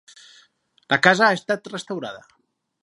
La casa ha estat restaurada.